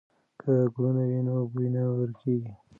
که ګلونه وي نو بوی نه ورکېږي.